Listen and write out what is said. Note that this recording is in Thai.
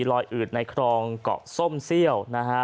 อืดในครองเกาะส้มเซี่ยวนะฮะ